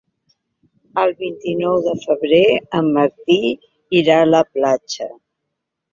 El vint-i-nou de febrer en Martí irà a la platja.